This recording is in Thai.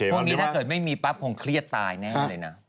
พวกนี้ถ้าเกิดไม่มีปั๊บคงเครียดตายแน่เลยนะ